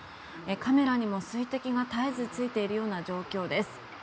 カメラにも水滴が絶えずついている状況です。